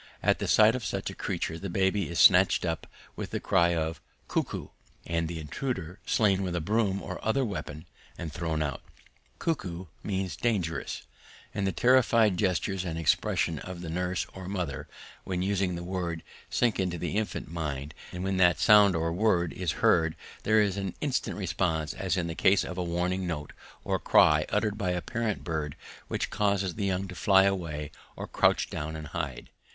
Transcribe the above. At the sight of such a creature the baby is snatched up with the cry of ku ku and the intruder slain with a broom or other weapon and thrown out. Ku ku means dangerous, and the terrified gestures and the expression of the nurse or mother when using the word sink into the infant mind, and when that sound or word is heard there is an instant response, as in the case of a warning note or cry uttered by a parent bird which causes the young to fly away or crouch down and hide.